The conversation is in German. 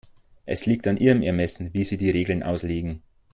Es liegt in Ihrem Ermessen, wie Sie die Regeln auslegen.